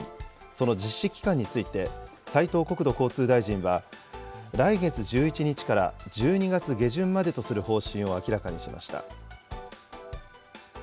その実施期間について、斉藤国土交通大臣は、来月１１日から１２月下旬までとする方針を明らかにしました。